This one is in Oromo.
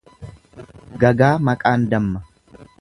Gagaa maqaan damma.